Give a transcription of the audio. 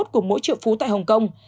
của mỗi triệu phú tại hồng kông